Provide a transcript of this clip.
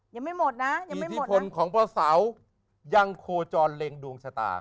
ยังไม่หมดนะยังไม่หมดนะดีที่คนของพ่อเสายังโคจรเลงดวงชะตา